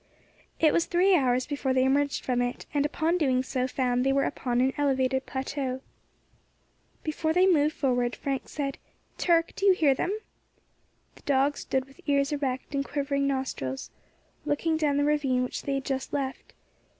It was three hours before they emerged from it, and upon doing so found they were upon an elevated plateau. Before they moved forward, Frank said, "Turk, do you hear them?" The dog stood with ears erect and quivering nostrils, looking down the ravine which they had just left.